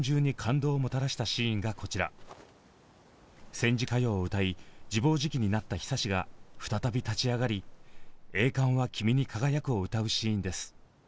戦時歌謡を歌い自暴自棄になった久志が再び立ち上がり「栄冠は君に輝く」を歌うシーンです。